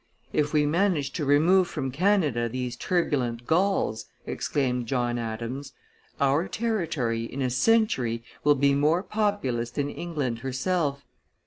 "If we manage to remove from Canada these turbulent Gauls," exclaimed John Adams, "our territory, in a century, will be more populous than England herself.